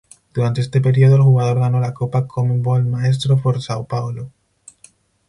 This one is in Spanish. Durante este periodo el jugador ganó la Copa Conmebol Maestro por Sao Paulo.